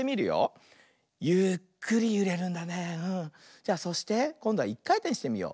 じゃあそしてこんどはいっかいてんしてみよう。